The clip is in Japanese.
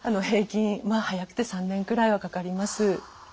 平均早くて３年くらいはかかります。